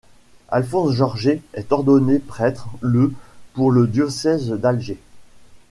Alphonse Georger est ordonné prêtre le pour le diocèse d'Alger.